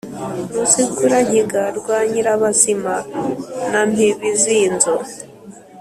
ruzigura-nkiga rwa nyirabazima na mpibizinzo